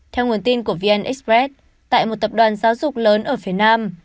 theo nguồn tin của vn express tại một tập đoàn giáo dục lớn ở phía nam